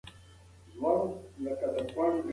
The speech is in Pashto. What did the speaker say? نیلسن منډېلا په خپل یاداښت کې یوه جالبه کیسه لیکلې ده.